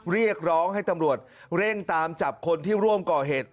เรียกร้องให้ตำรวจเร่งตามจับคนที่ร่วมก่อเหตุ